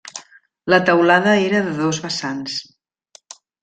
La teulada era de dos vessants.